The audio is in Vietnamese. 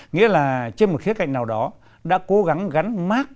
nghĩa là trên một khía cạnh nào đó đã cố gắng gắn mát